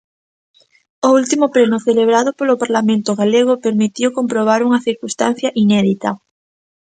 O último pleno celebrado polo Parlamento galego permitiu comprobar unha circunstancia inédita.